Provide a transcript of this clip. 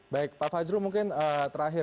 baik pak fajrul mungkin terakhir